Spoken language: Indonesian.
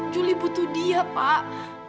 juli butuh dia pak